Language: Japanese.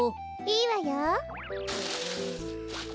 いいわよ。